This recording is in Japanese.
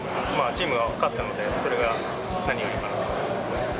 チームが勝ったので、それが何よりかなと思います。